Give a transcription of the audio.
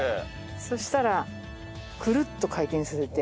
そしたらクルッと回転させて。